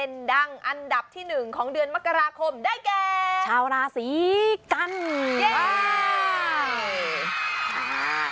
ประคมได้แก่ชาวราศรีกัณฑ์